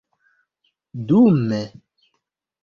dume